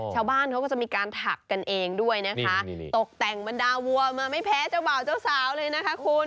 ชาวบ้านเขาก็จะมีการถักกันเองด้วยนะคะตกแต่งบรรดาวัวมาไม่แพ้เจ้าบ่าวเจ้าสาวเลยนะคะคุณ